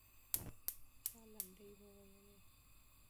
څوک لنډۍ وویلې؟